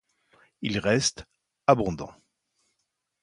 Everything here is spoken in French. Il reste abondant.